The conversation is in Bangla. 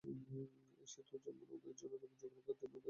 এই সেতু যেমন উভয়ের যোগ রক্ষা করে তেমনি উভয়ের সীমারক্ষাও করে।